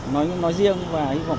nói riêng và hy vọng